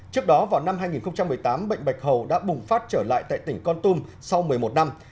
trước đó vào năm hai nghìn một mươi tám bệnh bạch hầu đã bùng phát trở lại tại tỉnh con tum sau một mươi một năm